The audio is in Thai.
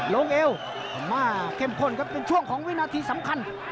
ลงเอวมาเค่มข้นเป็นช่วงของวินาทีสำคัญ